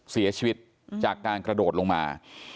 เสียชีวิตจากการกระโดดลงมา